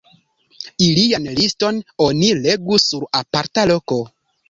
Ilian liston oni legu sur aparta loko.